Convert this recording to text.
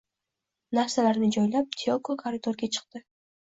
Narsalarini joylab, Tiyoko koridorga chiqdi